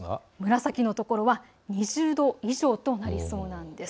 紫の所は２０度以上となりそうです。